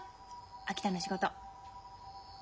秋田の仕事。